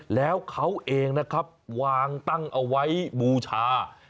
แล้วเขาเองนะครับวางตั้งเอาไว้บูชา